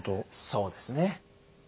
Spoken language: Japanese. そうですね。